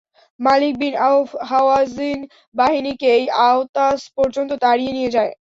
মালিক bin Awf Hawazin বাহিনীকে এই Autas পর্যন্ত তাড়িয়ে নিয়ে যায়।